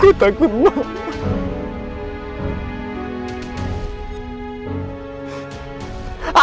gua takut mama